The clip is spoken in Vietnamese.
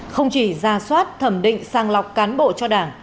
không chỉ ra soát thẩm định sang lọc cán bộ cho đảng